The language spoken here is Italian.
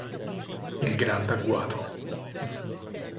Il grande agguato